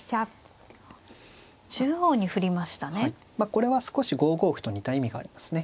これは少し５五歩と似た意味がありますね。